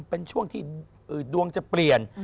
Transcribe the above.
เป็นช่วงที่ดวงจะเปลี่ยน